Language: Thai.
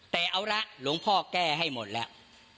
แต่เอาละหลวงพ่อแก้ให้หมดแล้ว